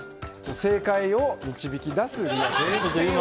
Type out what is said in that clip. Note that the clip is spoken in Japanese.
正解を導き出すリアクションです。